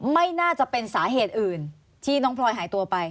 ไม่น่าจะเป็นสาเหตุอื่นที่น้องพลอยหายตัวไป